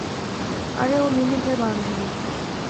আরে, ও লিনেটের বান্ধবী!